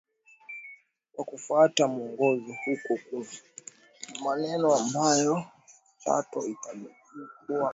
Kwa kufuata mwongozo huo kuna maeneo ambako Chato itakidhi kuwa mkoa